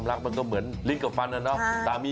เรื่องของโชคลาบนะคะ